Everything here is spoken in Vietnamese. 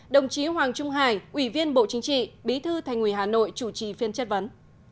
đồng chí hoàng trung hải ủy viên bộ chính trị bí thư thành ủy hà nội chủ trì phiên chất vấn